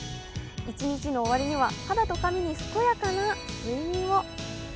一日の終わりには肌と髪に健やかな睡眠を。